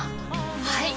はい！